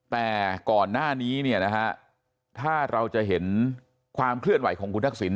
แต่ก่อนหน้านี้เนี่ยนะฮะถ้าเราจะเห็นความเคลื่อนไหวของคุณทักษิณ